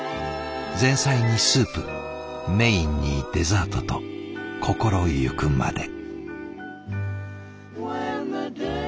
前菜にスープメインにデザートと心ゆくまで。